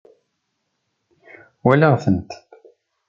Walaɣ-tent.